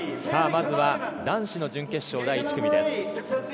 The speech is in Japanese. さぁまずは男子の準決勝第１組です。